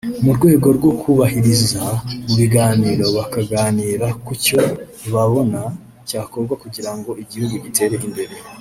mu rwego rwo kubahuriza mu biganiro bakaganira ku cyo babona cyakorwa kugira ngo igihugu gitere imbere